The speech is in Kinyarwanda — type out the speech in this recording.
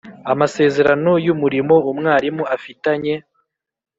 amasezerano y umurimo umwarimu afitanye